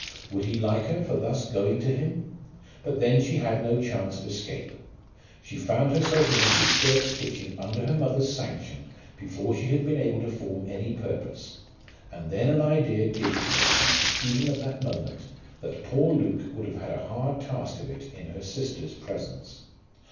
Would he like her for thus going to him? But then she had no chance of escape. She found herself in Mrs. Sturt's kitchen under her mother's sanction, before she had been able to form any purpose; and then an idea did come to her, even at that moment, that poor Luke would have had a hard task of it in her sister's presence.